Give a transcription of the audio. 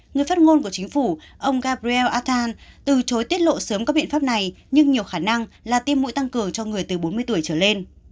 người phát ngôn của chính phủ ông gabriel athan từ chối tiết lộ sớm các biện pháp này nhưng nhiều khả năng là tiêm mũi tăng cường cho người từ bốn mươi tuổi trở lên